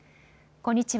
こんにちは。